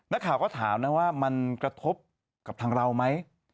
นักข่าวก็ถามนะว่ามันกระทบกับทางเราไหม